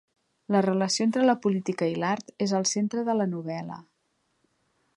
La relació entre la política i l'art és el centre de la novel·la.